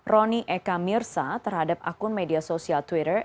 roni eka mirsa terhadap akun media sosial twitter